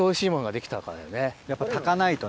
やっぱ。